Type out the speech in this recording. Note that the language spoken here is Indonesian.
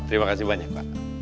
terima kasih banyak pak